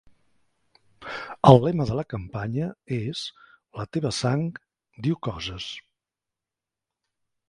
El lema de la campanya és La teva sang diu coses.